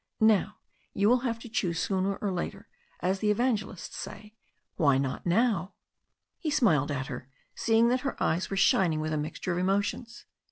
Now, you will have to choose sooner or later, as the evangelists say, why not now?" He smiled at her, seeing that her eyes were shining with a mixture of emotions.